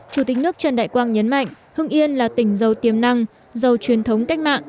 chủ tịch nước trần đại quang nhấn mạnh hưng yên là tỉnh giàu tiềm năng giàu truyền thống cách mạng